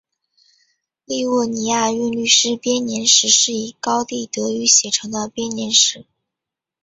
利沃尼亚韵律诗编年史是以高地德语写成的编年史。